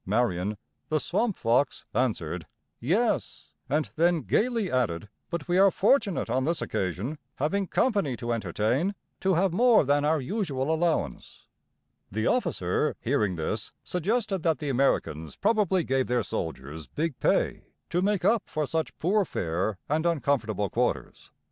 Marion, the "Swamp Fox," answered, "Yes;" and then gayly added, "but we are fortunate on this occasion, having company to entertain, to have more than our usual allowance." [Illustration: Marion's Dinner.] The officer, hearing this, suggested that the Americans probably gave their soldiers big pay to make up for such poor fare and uncomfortable quarters.